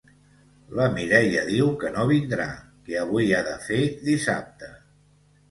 La Mireia diu que no vindrà, que avui ha de fer dissabte.